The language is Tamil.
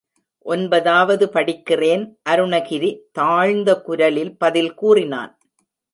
ஒன்பதாவது படிக்கிறேன், அருணகிரி தாழ்ந்த குரலில் பதில் கூறினான்.